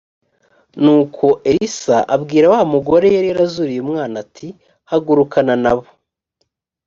nuko elisa abwira wa mugore yari yarazuriye umwana ati hagurukana n abo